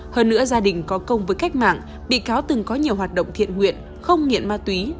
hơn nữa gia đình có công với cách mạng bị cáo từng có nhiều hoạt động thiện nguyện không nghiện ma túy